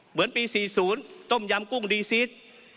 เหมือนปี๔๐ต้มยำกุ้งดีซีส